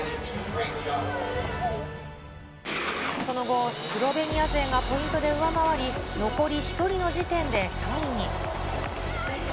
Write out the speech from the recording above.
その後、スロベニア勢がポイントで上回り、残り１人の時点で３位に。